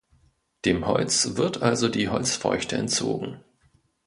Dem Holz wird also die Holzfeuchte entzogen.